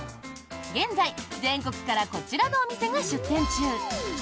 現在、全国からこちらのお店が出店中。